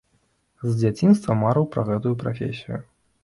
З дзяцінства марыў пра гэтую прафесію.